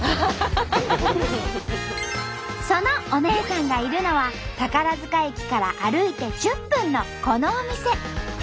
その「おねぇさん」がいるのは宝塚駅から歩いて１０分のこのお店。